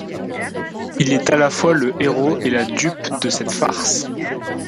Il est à la fois le héros et la dupe de cette farce.